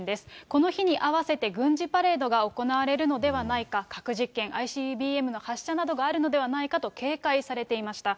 この日に合わせて軍事パレードが行われるのではないか、核実験、ＩＣＢＭの発射などがあるのではないかと警戒されていました。